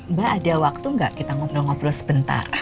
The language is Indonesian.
mbak ada waktu nggak kita ngobrol ngobrol sebentar